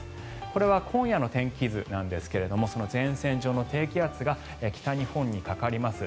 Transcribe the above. これは今夜の天気図なんですがその前線上の低気圧が北日本にかかります。